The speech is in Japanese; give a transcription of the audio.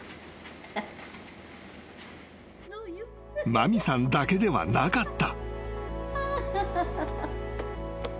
［麻美さんだけではなかった］